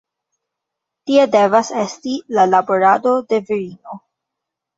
Tia devas esti la laborado de virino.